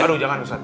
aduh jangan ustadz